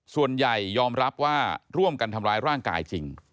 ส่วนใหญ่ยอมรับว่าร่วมกันทำร้ายร่างกายจริง